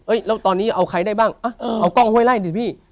แล้วตอนนี้เอาใครได้บ้างเอากล้องห้วยไล่ดิพี่